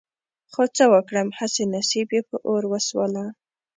خو څه وکړم هسې نصيب يې په اور وسوله.